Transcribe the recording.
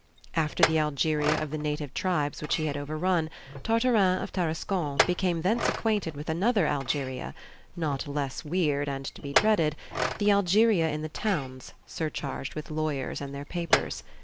After the Algeria of the native tribes which he had overrun, Tartarin of Tarascon became thence acquainted with another Algeria, not less weird and to be dreaded the Algeria in the towns, surcharged with lawyers and their papers.